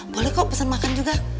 boleh kok pesan makan juga